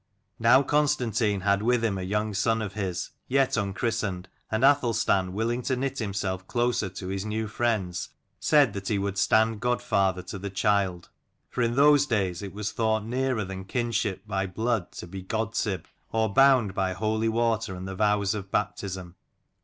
Now Constantine had with him a young son of his, yet unchristened ; and Athelstan, willing to knit himself closer to his new friends, said that he would stand godfather to the child : for in those days it was thought nearer than kinship by blood to be god sib, or bound by holy water and the vows of baptism.